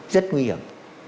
rất nguy hiểm